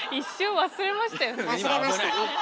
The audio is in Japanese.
忘れましたね。